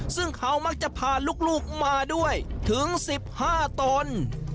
ซึ่งเขามักจะพาลูกมาด้วยถึง๑๕ตน